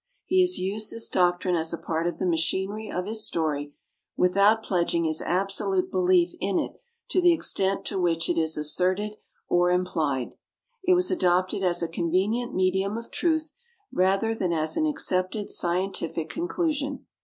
He has used this doctrine as a part of the machinery of his story without pledging his absolute belief in it to the extent to which it is asserted or implied. It was adopted as a convenient medium of truth rather than as an accepted scientific conclusion.